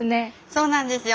そうなんですよ。